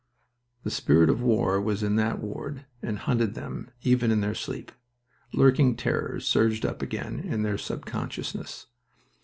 The spirit of war was in that ward and hunted them even in their sleep; lurking terrors surged up again in their subconsciousness.